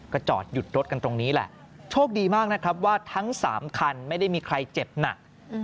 ก็จอดหยุดรถกันตรงนี้แหละโชคดีมากนะครับว่าทั้ง๓คันไม่ได้มีใครเจ็บหนัก